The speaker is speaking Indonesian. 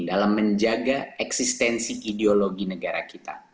dalam menjaga eksistensi ideologi negara kita